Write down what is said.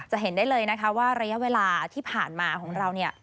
เห็นได้เลยนะคะว่าระยะเวลาที่ผ่านมาของเราเนี่ย